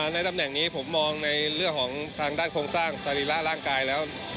ในตำแหน่งนี้ผมมองในเรื่องของทางด้านโครงสร้างสรีระร่างกายแล้ว